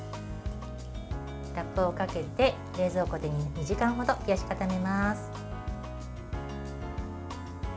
ラップをかけて冷蔵庫で２時間ほど冷やし固めます。